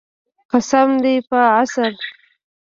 قسم دی په عصر.